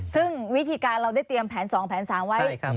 ซึ่งวิธีการเราได้เตรียมแผน๒แผน๓ไว้